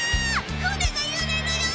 船が揺れるよ！